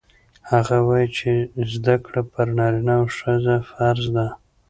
هغه وایي چې زده کړه پر نارینه او ښځینه فرض ده.